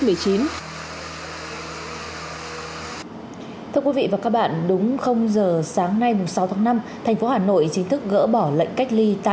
thưa quý vị và các bạn đúng giờ sáng nay sáu tháng năm thành phố hà nội chính thức gỡ bỏ lệnh cách ly tại thôn hà nội